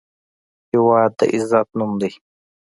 هېواد د عزت نوم دی.